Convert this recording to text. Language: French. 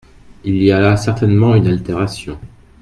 Il y a là certainement une altération.